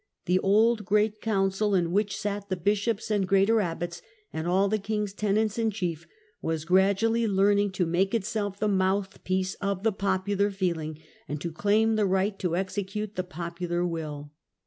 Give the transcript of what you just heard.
The old great council, in which sat the bishops and greater abbots, and all the king's tenants in chief, was gradually learning to make itself tibe mouth piece of the popular feeling, and to claim the right to execute the popular will.